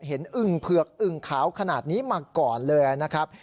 อึ่งเผือกอึ่งขาวขนาดนี้มาก่อนเลยนะครับ